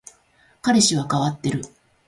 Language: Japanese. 彼氏は変わっている